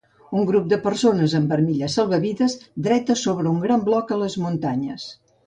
Un grup de persones amb armilles salvavides dretes sobre un gran bloc a les muntanyes.